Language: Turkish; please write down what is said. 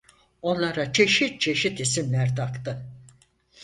Onlara çeşit çeşit isimler taktı.